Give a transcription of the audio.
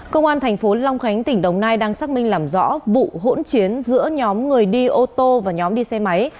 công an thành phố long khánh tỉnh đồng nai đang xác minh làm rõ vụ hỗn chiến giữa nhóm người đi ô tô và nhóm đi xe máy